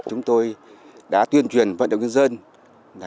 chúng tôi đã tuyên truyền vận động nhân dân